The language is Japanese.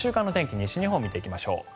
西日本を見ていきましょう。